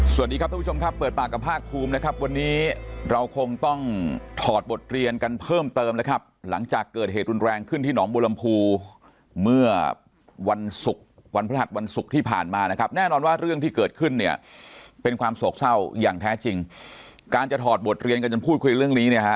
สวัสดีครับทุกผู้ชมครับเปิดปากกับภาคภูมินะครับวันนี้เราคงต้องถอดบทเรียนกันเพิ่มเติมนะครับหลังจากเกิดเหตุรุนแรงขึ้นที่หนองบุรมภูเมื่อวันศุกร์วันพระหัสวันศุกร์ที่ผ่านมานะครับแน่นอนว่าเรื่องที่เกิดขึ้นเนี่ยเป็นความโศกเศร้าอย่างแท้จริงการจะถอดบทเรียนกันจนพูดคุยเรื่องนี้เนี่ยฮะ